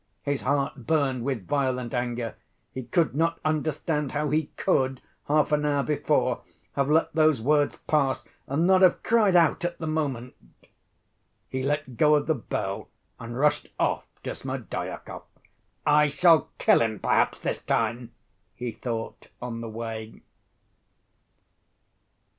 His heart burned with violent anger. He could not understand how he could, half an hour before, have let those words pass and not have cried out at the moment. He let go of the bell and rushed off to Smerdyakov. "I shall kill him, perhaps, this time," he thought on the way.